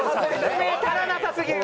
説明足らなさすぎる！